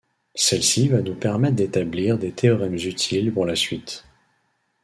Celle-ci va nous permettre d'établir des théorèmes utiles pour la suite.